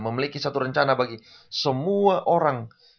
memiliki satu rencana bagi semua orang